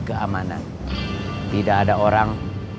keamanan tidak ada orang